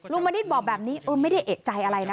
มณิษฐ์บอกแบบนี้ไม่ได้เอกใจอะไรนะ